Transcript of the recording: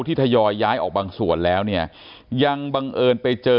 ทยอยย้ายออกบางส่วนแล้วเนี่ยยังบังเอิญไปเจอ